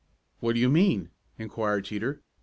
"What do you mean?" inquired Teeter.